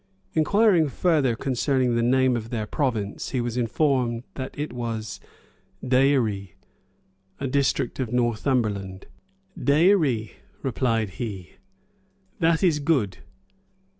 Inquiring further concerning the name of their province, he was Informed, that it was "Deïri," a district of Northumberland. "Deïri!" replied he, "that is good!